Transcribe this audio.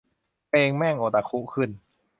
เพลงแม่งโอตาคุขึ้น